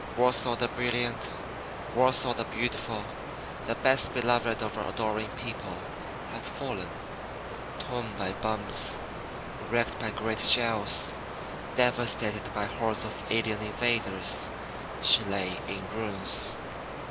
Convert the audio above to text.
Warsaw the brilliant, Warsaw the Beautiful, the best beloved of her adoring people, had fallen. Torn by bombs, wrecked by great shells, devastated by hordes of alien invaders, she lay in ruins.